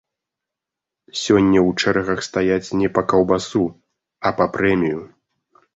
Сёння ў чэргах стаяць не па каўбасу, а па прэмію.